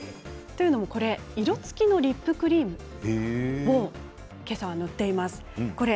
というのも色つきのリップクリームをけさは塗っています。